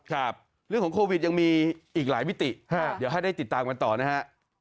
ครับเรื่องของโควิดยังมีอีกหลายมิติเดี๋ยวให้ได้ติดตามกันต่อนะฮะ